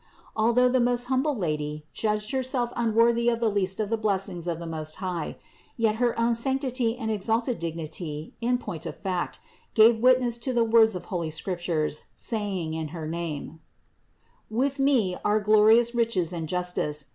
Although the most humble Lady judged Herself unworthy of the least of blessings of the Most High; yet Her own sanctity and exalted dignity in point of fact gave witness to the words of holy Scriptures saying in her name : "With me are glorious riches and justice.